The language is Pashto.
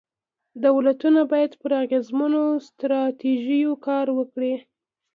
دولتونه باید پر اغېزمنو ستراتیژیو کار وکړي.